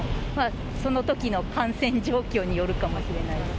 そのときの感染状況によるかもしれない。